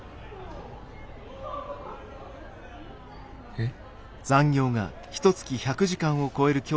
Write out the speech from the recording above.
えっ。